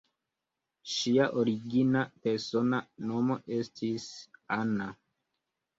Ŝia origina persona nomo estis "Anna".